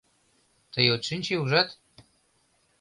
Тый от шинче, ужат?